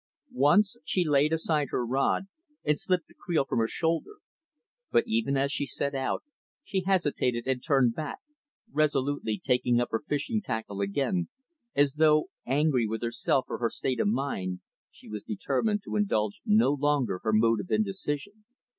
Once, she laid aside her rod, and slipped the creel from her shoulder. But even as she set out, she hesitated and turned back; resolutely taking up her fishing tackle again, as though, angry with herself for her state of mind, she was determined to indulge no longer her mood of indecision.